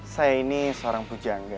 saya ini seorang pujangga